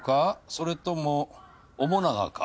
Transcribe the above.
それとも面長か？